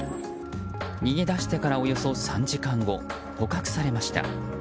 逃げ出してから、およそ３時間後捕獲されました。